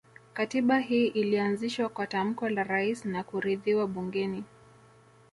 Katiba hii ilianzishwa kwa tamko la Rais na kuridhiwa bungeni